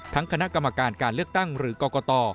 คณะกรรมการการเลือกตั้งหรือกรกต